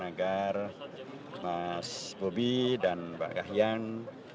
agar mas bobi dan mbak kahiyang